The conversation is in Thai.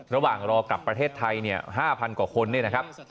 ระหว่างรอกลับประเทศไทย๕๐๐กว่าคนเนี่ยนะครับ